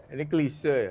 ini klise ya